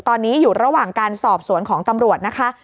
ตอนนี้อยู่ระหว่างการสอบสวนของตำรวจนะคะ